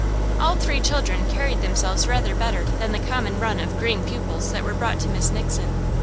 All three children carried themselves rather better than the common run of "green" pupils that were brought to Miss Nixon.